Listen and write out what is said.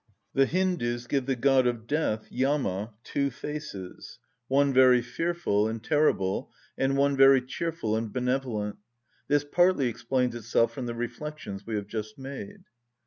The Hindus give the god of death, Yama, two faces; one very fearful and terrible, and one very cheerful and benevolent. This partly explains itself from the reflections we have just made.